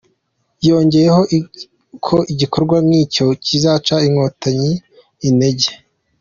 Yongeyeho ko igikorwa nk’icyo kizaca Inkotanyi intege.